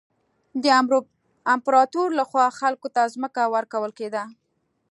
د امپراتور له خوا خلکو ته ځمکه ورکول کېده.